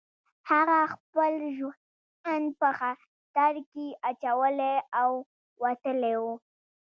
هغه خپل ژوند په خطر کې اچولی او وتلی و